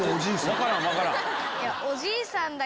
分からん分からん。